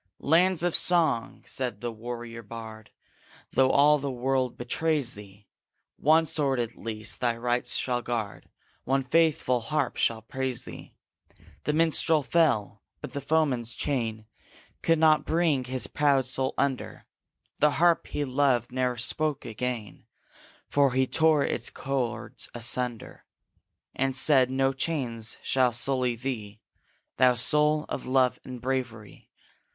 'Land of song!' said the warrior bard, 'Though all the world betrays thee, One sword, at least, thy rights shall guard, One faithful harp shall praise thee!' The Minstrel fell ! but the f oeman's chain Could not bring his proud soul under; The harp he loved ne'er spoke again, For he tore its chords asunder; And said, 'No chains shall sully thee, Thou soul of love and bravery!